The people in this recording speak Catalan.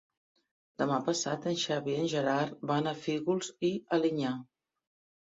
Demà passat en Xavi i en Gerard van a Fígols i Alinyà.